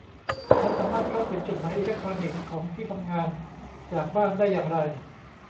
ฉันสามารถเข้าถึงจดหมายอิเล็กทรอนิกส์ของที่ทำงานจากบ้านได้อย่างไร